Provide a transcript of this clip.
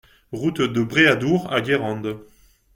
Route de Bréhadour à Guérande